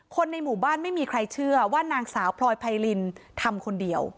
ในหมู่บ้านไม่มีใครเชื่อว่านางสาวพลอยไพรินทำคนเดียว